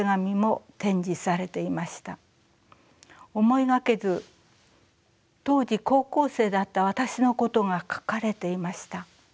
思いがけず当時高校生だった私のことが書かれていました。